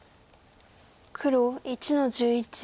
黒１の十一。